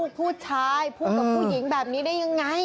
ท่านเป็นลูกผู้ชายพูดกับผู้หญิงแบบนี้ได้ยังไง